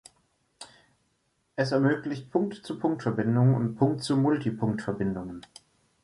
Es ermöglicht Punkt-zu-Punkt-Verbindungen und Punkt-zu-Multipunkt-Verbindungen.